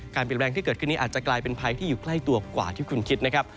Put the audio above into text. เปลี่ยนแปลงที่เกิดขึ้นนี้อาจจะกลายเป็นภัยที่อยู่ใกล้ตัวกว่าที่คุณคิดนะครับ